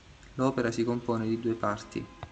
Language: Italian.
L'opera si compone di due parti.